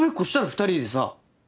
２人でさ。